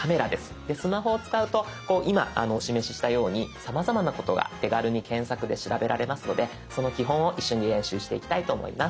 スマホを使うと今お示ししたようにさまざまなことが手軽に検索で調べられますのでその基本を一緒に練習していきたいと思います。